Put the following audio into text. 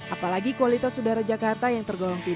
apalagi kualitas udara jakarta yang tergolong tinggi